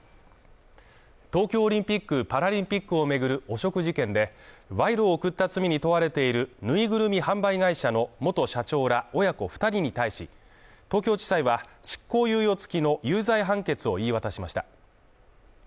東京オリンピック・パラリンピックを巡る汚職事件で賄賂を贈った罪に問われているぬいぐるみ販売会社の元社長ら親子２人に対し、東京地裁は執行猶予付きの有罪判決を言い渡しました。